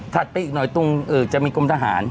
ไปอีกหน่อยตรงจะมีกรมทหาร